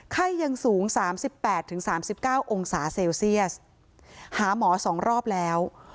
ไข้ยังสูง๓๘๓๙องศาเซลเซียสหาหมอ๒รอบแล้ว